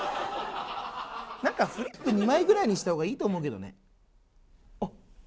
なんかフリップ２枚ぐらいにしたほうがいいと思うけどね。